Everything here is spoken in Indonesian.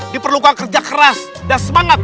diperlukan kerja keras dan semangat